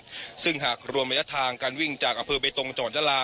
แล้วนะครับซึ่งหากรวมระยะทางการวิ่งจากอำเฟอร์เบตรงจังหวันจรา